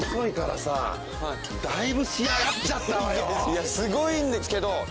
いやすごいんですけど。